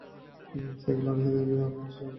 Cycle আরোহীদের আর পথচারীদের দেখে!